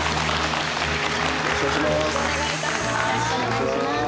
よろしくお願いします。